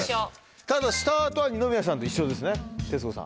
ただスタートは二宮さんと一緒ですね徹子さん。